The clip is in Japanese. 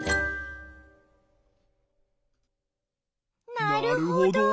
なるほど。